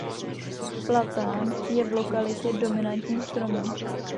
Platan je v lokalitě dominantním stromem.